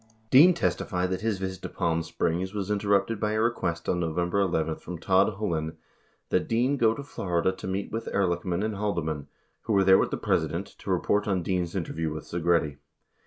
74 Dean testified that his visit to Palm Springs was interrupted by a request on November 11 from Tod Hullin that Dean go to Florida to meet with Ehrlichman and Haldeman, who were there with the Presi dent, to report on Dean's interview with Segretti.